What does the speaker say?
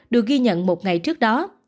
được ghi nhận một ngày trước đó